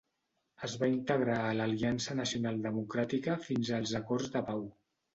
Es va integrar a l'Aliança Nacional Democràtica fins als acords de pau.